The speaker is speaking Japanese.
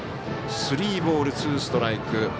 スリーボール、ツーストライク。